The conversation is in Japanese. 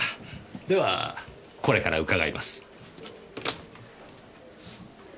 ではこれから伺います。